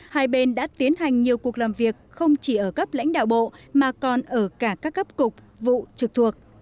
hai bên đã tiến hành nhiều cuộc làm việc không chỉ ở cấp lãnh đạo bộ mà còn ở cả các cấp cục vụ trực thuộc